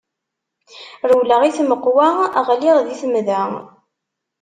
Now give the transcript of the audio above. Rewleɣ i tmeqqwa, ɣliɣ di temda.